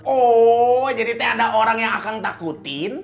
oh jadi teh ada orang yang akan takutin